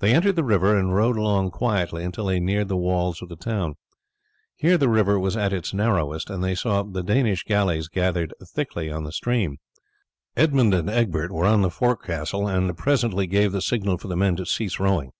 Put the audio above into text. They entered the river and rowed along quietly until they neared the walls of the town. Here the river was at its narrowest, and they saw the Danish galleys gathered thickly in the stream. Edmund and Egbert were on the forecastle, and presently gave the signal for the men to cease rowing.